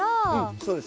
そうです。